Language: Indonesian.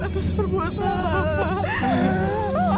atau serbuk selama lamanya